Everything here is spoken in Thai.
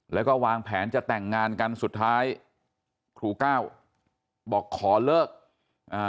แล้วก็วางแผนจะแต่งงานกันสุดท้ายครูก้าวบอกขอเลิกอ่า